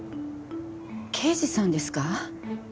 刑事さんですか？